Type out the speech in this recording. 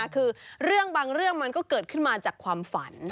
คือเรื่องบางเรื่องมันก็เกิดขึ้นมาจากความฝัน